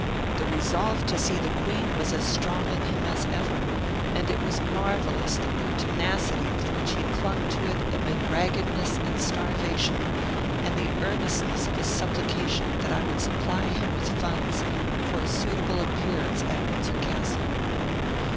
The resolve to see the Queen was as strong in him as ever; and it was marvellous the pertinacity with which he clung to it amid raggedness and starvation, and the earnestness of his supplication that I would supply him with funds for a suitable appearance at Windsor Castle.